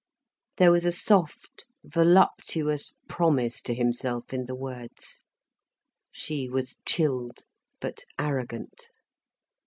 There was a soft, voluptuous promise to himself in the words. She was chilled but arrogant.